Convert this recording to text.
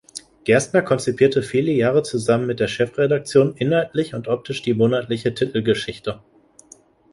Gerstner konzipierte viele Jahre zusammen mit der Chefredaktion inhaltlich und optisch die monatliche Titelgeschichte.